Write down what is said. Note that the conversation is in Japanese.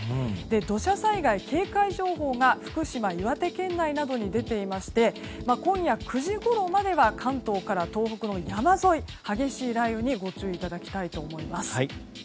土砂災害警戒情報が福島、岩手県内などに出ていまして今夜９時ごろまでは関東から東北の山沿い、激しい雷雨にご注意いただきたいと思います。